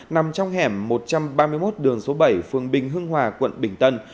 nằm trong hẻm một trăm ba mươi một đường bảy phương bình huisten hoà quận bình tân